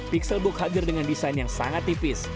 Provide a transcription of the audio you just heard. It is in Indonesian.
pixelbook hadir dengan desain yang sangat tipis